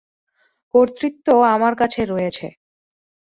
কর্তৃত্ব আমার কাছে রয়েছে।